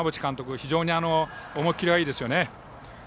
非常に思いっきりがいいですよね。